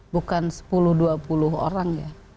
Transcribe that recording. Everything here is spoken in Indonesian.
bukan sepuluh dua puluh orang ya